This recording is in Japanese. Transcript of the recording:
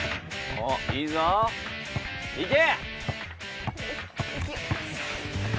おっいいぞいけ！